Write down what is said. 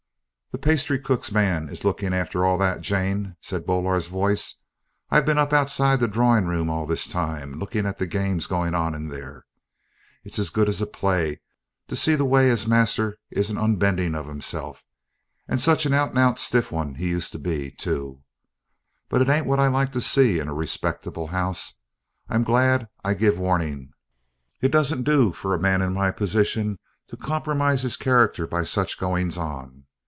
"The pastrycook's man is looking after all that, Jane," said Boaler's voice. "I've been up outside the droring room all this time, lookin' at the games goin' on in there. It's as good as a play to see the way as master is a unbendin' of himself, and such a out and out stiff un as he used to be, too! But it ain't what I like to see in a respectable house. I'm glad I give warning. It doesn't do for a man in my position to compromise his character by such goings on.